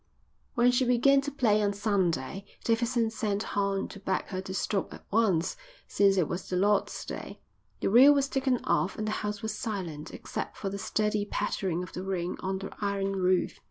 When she began to play on Sunday Davidson sent Horn to beg her to stop at once since it was the Lord's day. The reel was taken off and the house was silent except for the steady pattering of the rain on the iron roof.